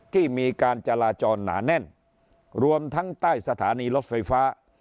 ที่มีการจราจรหนาแน่นรวมทั้งใต้สถานีรถไฟฟ้า